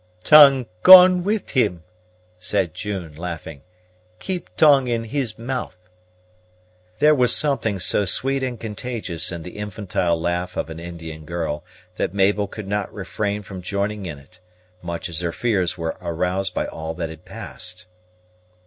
"Tongue gone wid him," said June, laughing; "keep tongue in his mout'." There was something so sweet and contagious in the infantile laugh of an Indian girl, that Mabel could not refrain from joining in it, much as her fears were aroused by all that had passed.